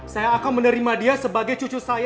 saya akan menerima dia sebagai cucu saya